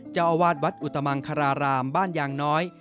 เจ้าอาวาสวัดอุตมังคารารามบ้านยางน้อย